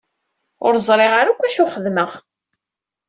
Ur ẓriɣ ara akk acu xedmeɣ.